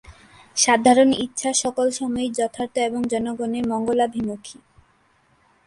সাধারণ ইচ্ছা সকল সময়ই যথার্থ এবং জনগণের মংগলাভিমুখী।